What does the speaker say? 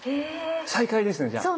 再会ですねじゃあ。